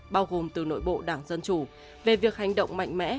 bao gồm từ nội bộ đảng dân chủ về việc hành động mạnh mẽ